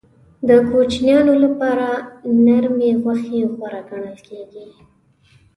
د کوچنیانو لپاره نرمې غوښې غوره ګڼل کېږي.